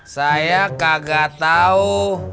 saya kagak tahu